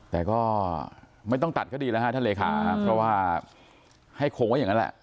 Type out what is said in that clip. แต่ก็ไม่ต้องตัดก็ดีแล้วฮะท่านเลขาครับเพราะว่าให้คงไว้อย่างนั้นแหละ